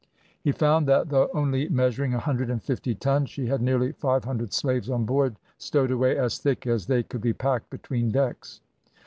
He found that, though only measuring a hundred and fifty tons she had nearly five hundred slaves on board, stowed away as thick as they could be packed between decks.